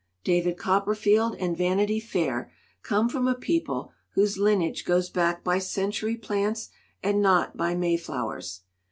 "David Copper field and Vanity Fair come from a people whose lineage goes back by century plants and not by Mayflowers.